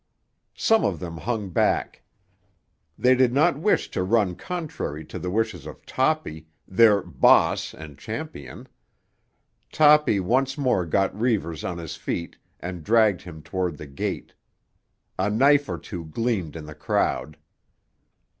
Some of them hung back. They did not wish to run contrary to the wishes of Toppy, their "bahss" and champion. Toppy once more got Reivers on his feet and dragged him toward the gate. A knife or two gleamed in the crowd.